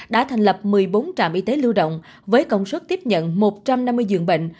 đã thành lập một mươi bốn trạm y tế lưu động với công suất tiếp nhận một trăm năm mươi giường bệnh